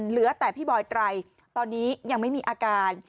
เหลือแต่พี่บอยไตรตอนนี้ยังไม่มีอาการ